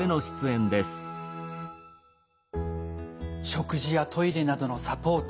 食事やトイレなどのサポート